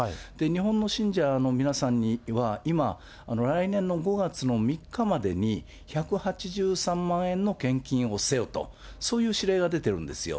日本の信者の皆さんには今、来年の５月の３日までに１８３万円の献金をせよと、そういう指令が出てるんですよ。